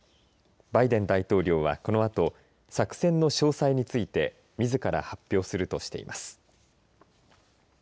バイデン大統領は、このあと作戦の詳細についてみずから発表するとしています。